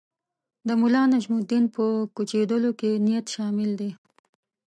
د ملانجم الدین په کوچېدلو کې نیت شامل دی.